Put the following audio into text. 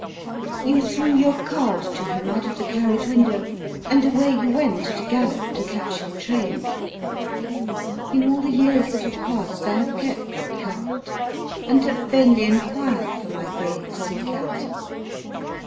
You threw your card to him out of the carriage window, and away you went at a gallop to catch your train. In all the years that have passed I have kept that card, and have vainly inquired for my brave sea captain.